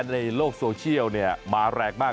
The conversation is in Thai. ในโลกโซเชียลเนี่ยมาแรกมาก